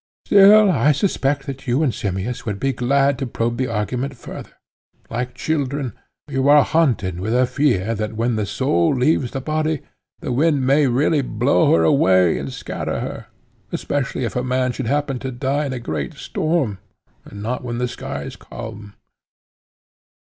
Still I suspect that you and Simmias would be glad to probe the argument further. Like children, you are haunted with a fear that when the soul leaves the body, the wind may really blow her away and scatter her; especially if a man should happen to die in a great storm and not when the sky is calm.